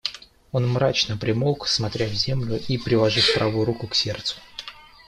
Он мрачно примолк, смотря в землю и приложив правую руку к сердцу.